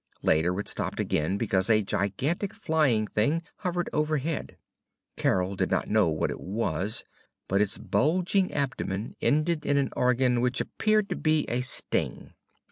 Later, it stopped again because a gigantic flying thing hovered overhead. Carol did not know what it was, but its bulging abdomen ended in an organ which appeared to be a sting.